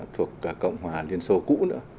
thuộc cộng hòa liên xô cũ